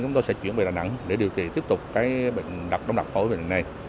chúng tôi sẽ chuyển về đà nẵng để điều trị tiếp tục cái bệnh đập đông đập phổi bệnh này